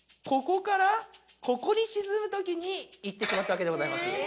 ここからここに沈むときに行ってしまったわけでございます。